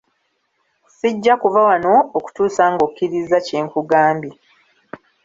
Sijja kuva wano okutuusa ng’okkirizza kye nkugambye.